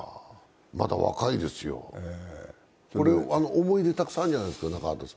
まだ若いですよ、思い出たくさんあるんじゃないですか、中畑さん。